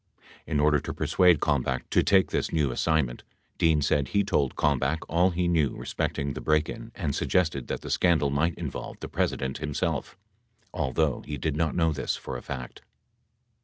In order to persuade Kalmbach to take this new assign ment, Dean said, he told Kalmbach all he knew respecting the break in and suggested that the scandal might involve the President himself, although he did not know this for a fact.